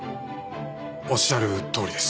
おっしゃるとおりです。